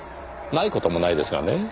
ない事もないですがね。